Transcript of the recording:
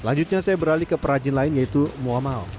selanjutnya saya beralih ke perajin lain yaitu muamal